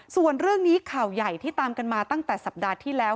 ส่วนเรื่องนี้ข่าวใหญ่ที่ตามกันมาตั้งแต่สัปดาห์ที่แล้ว